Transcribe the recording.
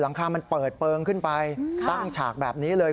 คามันเปิดเปลืองขึ้นไปตั้งฉากแบบนี้เลย